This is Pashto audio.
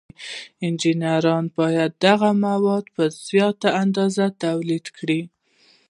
انجینران باید دغه مواد په زیاته اندازه تولید کړي.